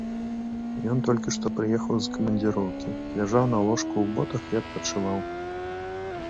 Ён толькі што прыехаў з камандзіроўкі, ляжаў на ложку ў ботах і адпачываў.